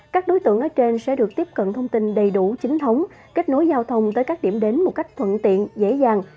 các đối tượng ở trên sẽ được tiếp cận thông tin đầy đủ chính thống kết nối giao thông tới các điểm đến một cách thuận tiện dễ dàng